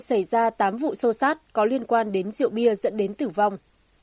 đã xảy ra tám vụ sô sát có liên quan đến rượu bia dẫn đến tử vong